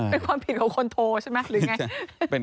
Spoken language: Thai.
เป็นความผิดของคนโทรใช่ไหม